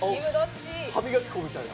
歯磨き粉みたいな。